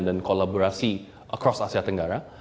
dan kolaborasi across asia tenggara